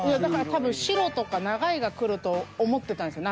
多分白とか長いがくると思ってたんですよ